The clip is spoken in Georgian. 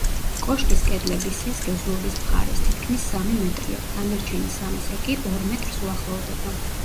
კოშკის კედლების სისქე ზურგის მხარეს თითქმის სამი მეტრია, დანარჩენი სამისა კი, ორ მეტრს უახლოვდება.